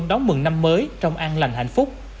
đóng mừng năm mới trong an lành hạnh phúc